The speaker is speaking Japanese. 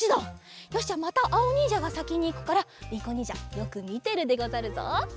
よしじゃあまたあおにんじゃがさきにいくからりいこにんじゃよくみてるでござるぞ。